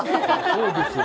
そうですよ。